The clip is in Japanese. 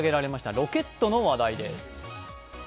ロケットの話題です。